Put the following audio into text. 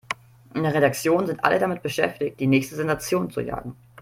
In der Redaktion sind alle damit beschäftigt, die nächste Sensation zu jagen.